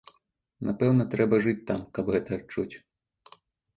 Напэўна, трэба жыць там, каб гэта адчуць.